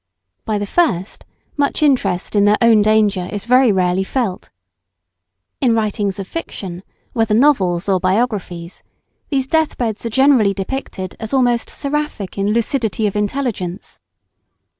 By the first much interest in, their own danger is very rarely felt. In writings of fiction, whether novels or biographies, these death beds are generally depicted as almost seraphic in lucidity of intelligence.